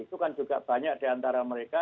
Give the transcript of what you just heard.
itu kan juga banyak diantara mereka